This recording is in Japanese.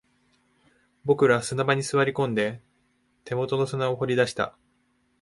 僕らは砂場に座り込んで、手元の砂を掘り出した